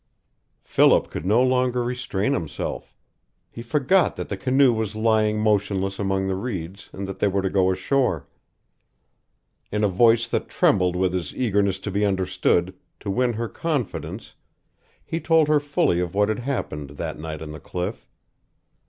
Philip could no longer restrain himself. He forgot that the canoe was lying motionless among the reeds and that they were to go ashore. In a voice that trembled with his eagerness to be understood, to win her confidence, he told her fully of what had happened that night on the cliff.